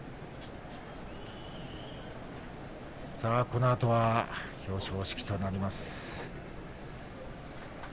このあとは表彰式となります。